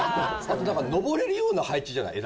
あと登れるような配置じゃない？